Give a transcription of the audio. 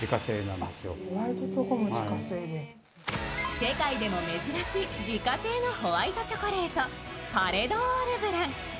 世界でも珍しい自家製のホワイトチョコレート、パレドオールブラン。